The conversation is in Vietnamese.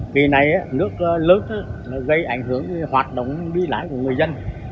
kỳ này nước lớn gây ảnh hưởng hoạt động đi lại của người dân